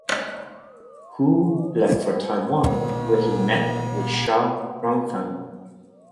Hu left for Taiwan where he met with Sha Rongfeng.